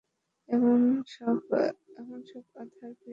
এমন সব আধার পেয়েও তোরা এদের উন্নতি করতে পারলিনি।